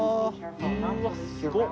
うわすごっ。